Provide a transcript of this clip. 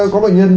có bệnh nhân